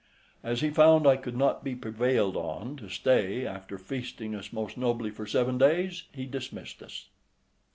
As he found I could not be prevailed on to stay, after feasting us most nobly for seven days, he dismissed us.